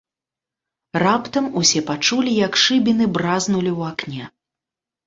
Раптам усе пачулі, як шыбіны бразнулі ў акне.